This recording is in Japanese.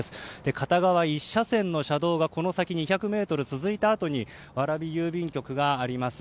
片側１車線の車道がこの先２００ｍ続いたあとに蕨郵便局があります。